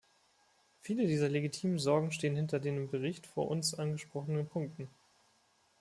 Viele dieser legitimen Sorgen stehen hinter den im Bericht vor uns angesprochenen Punkten.